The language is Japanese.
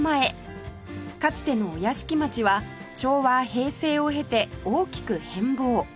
かつてのお屋敷町は昭和平成を経て大きく変貌